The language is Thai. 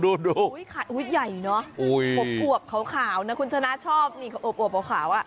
อุ๊ยอุ้ยใหญ่อุ๊ยโหบอวกขาวนะคุณชนะชอบนี่โอบอวกอวกขาวอ่ะ